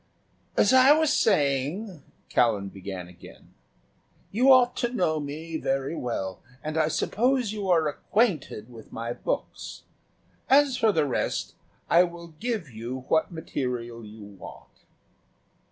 "As I was saying," Callan began again, "you ought to know me very well, and I suppose you are acquainted with my books. As for the rest, I will give you what material you want."